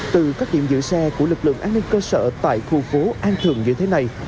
từ các điểm giữ xe của lực lượng an ninh cơ sở tại khu phố an thường như thế này